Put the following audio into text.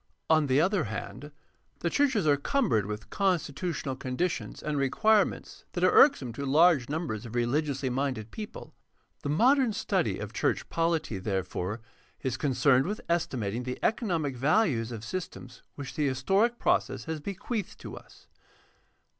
On the other hand, the churches are cumbered with constitutional con ditions and requirements that are irksome to large numbers of religiously minded people. The modern study of church polity, therefore, is concerned with estimating the economic values of systems which the historic process has bequeathed to us.